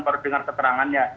baru dengar keterangannya